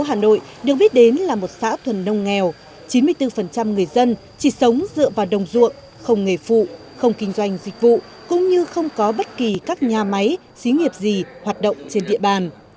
hà nội được biết đến là một xã thuần nông nghèo chín mươi bốn người dân chỉ sống dựa vào đồng ruộng không nghề phụ không kinh doanh dịch vụ cũng như không có bất kỳ các nhà máy xí nghiệp gì hoạt động trên địa bàn